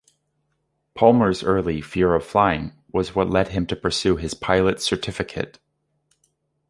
Palmer's early "fear of flying" was what led him to pursue his pilot certificate.